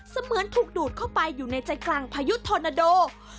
เหมือนถูกดูดเข้าไปอยู่ในใจกลางพายุทธอนาโด